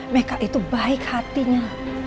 meka itu baik hatinya